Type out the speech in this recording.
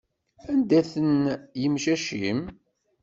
Anda-ten yimcac-im?